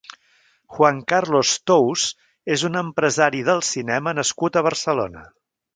Juan Carlos Tous és un empresari del cinema nascut a Barcelona.